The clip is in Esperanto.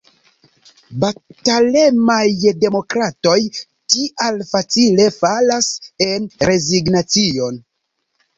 Batalemaj demokratoj tial facile falas en rezignacion.